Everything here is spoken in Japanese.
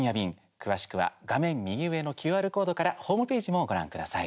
詳しくは画面右上のＱＲコードからホームページもご覧ください。